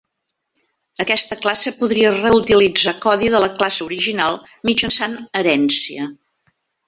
Aquesta classe podria reutilitzar codi de la classe original mitjançant herència.